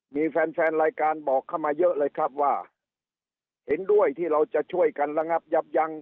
มีแฟนแฟนรายการบอกเข้ามาเยอะเลยครับว่าเห็นด้วยที่เราจะช่วยกันระงับยับยั้ง